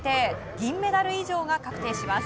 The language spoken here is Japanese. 銀メダル以上が確定します。